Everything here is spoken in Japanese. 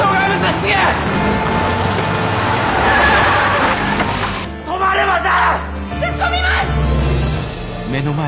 突っ込みます！